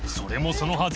そのはず